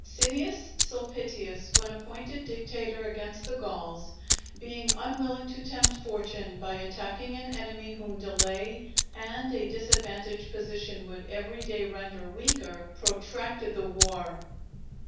_ "_Cneius Sulpitius when appointed dictator against the Gauls, being unwilling to tempt Fortune by attacking an enemy whom delay and a disadvantageous position would every day render weaker, protracted the war.